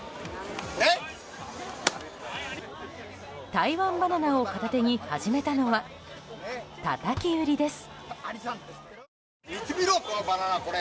台湾バナナを片手に始めたのはたたき売りです。